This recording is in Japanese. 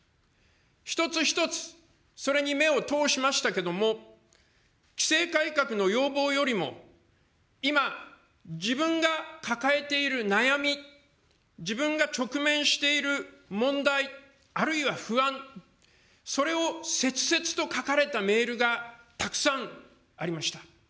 一つ一つそれに目を通しましたけれども、規制改革の要望よりも、今、自分が抱えている悩み、自分が直面している問題、あるいは不安、それを切々と書かれたメールがたくさんありました。